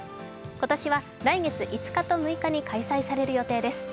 今年は来月５日と６日に開催される予定です。